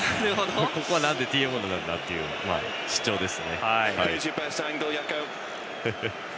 ここはなんでＴＭＯなんだという主張ですね。